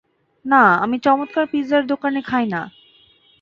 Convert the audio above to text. না, আমি চমৎকার পিৎজার দোকানে খাই না।